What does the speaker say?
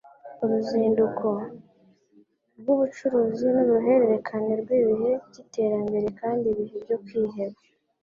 Uruzinduko rwubucuruzi nuruhererekane rwibihe byiterambere kandi ibihe byo kwiheba